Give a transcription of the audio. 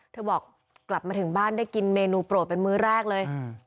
บอกกลับมาถึงบ้านได้กินเมนูโปรดเป็นมื้อแรกเลย